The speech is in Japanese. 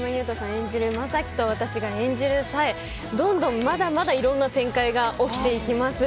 演じる正樹と私が演じる冴どんどんまだまだいろんな展開が起きていきます。